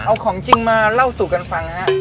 เอาของจริงมาเล่าสู่กันฟังฮะ